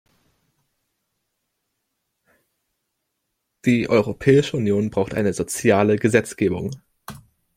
Die Europäische Union braucht eine soziale Gesetzgebung.